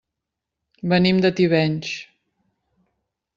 Venim de Tivenys.